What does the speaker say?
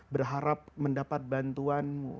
berharap mendapat bantuanmu